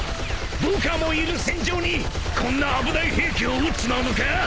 ［部下もいる戦場にこんな危ない兵器を撃っちまうのか？］